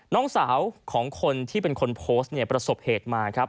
น้องสาวของคนที่เป็นคนโพสต์เนี่ยประสบเหตุมาครับ